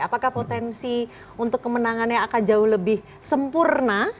apakah potensi untuk kemenangannya akan jauh lebih sempurna